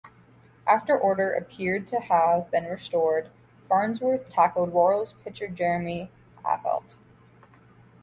After order appeared to have been restored, Farnsworth tackled Royals pitcher Jeremy Affeldt.